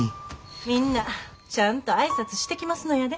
みんなちゃんと挨拶してきますのやで。